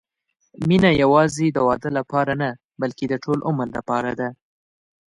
مینه یوازې د واده لپاره نه، بلکې د ټول عمر لپاره ده.